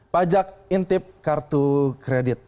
pajak intip kartu kredit